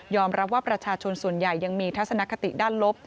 รับว่าประชาชนส่วนใหญ่ยังมีทัศนคติด้านลบ